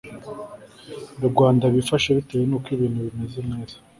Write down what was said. Rwanda bwifashe Bitewe n uko ibintu bimeze neza